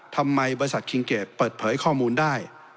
ทำไมบริษัทคิงเกดเปิดเผยข้อมูลได้